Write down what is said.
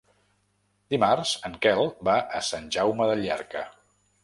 Dimarts en Quel va a Sant Jaume de Llierca.